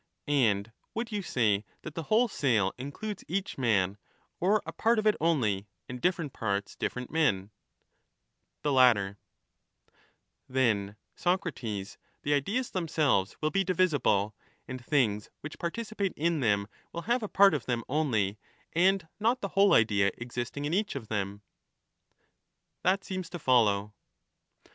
And would you say that the whole sail includes each man, or a part of it only, and different parts different men ? The latter. Then, Socrates, the ideas themselves will be divisible, and Digitized by VjOOQIC The origin and nature of ideas. 5 1 things which participate in them will have a part of them Par only and not the whole idea existing in each of them ? That seems to follow.